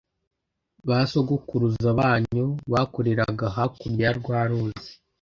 ba sogokuruza banyu bakoreraga hakurya ya rwa ruzi